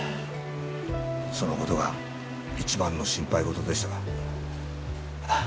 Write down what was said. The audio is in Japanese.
そのことが一番の心配事でしたわ